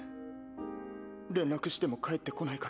連絡しても返ってこないから。